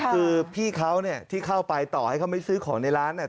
คือพี่เขาเนี่ยที่เข้าไปต่อให้เขาไม่ซื้อของในร้านเนี่ย